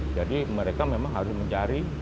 jadi mereka memang harus mencari